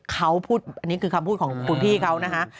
เขาพูดอันนี้คือคำพูดของคุณพี่เขานะฮะ